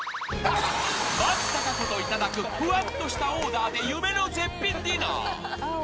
［松たか子といただくふわっとしたオーダーで夢の絶品ディナー］